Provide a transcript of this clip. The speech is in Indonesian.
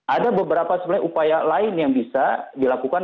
ada beberapa sebenarnya upaya lain yang bisa dilakukan